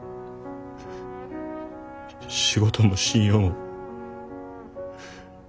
仕事も信用も。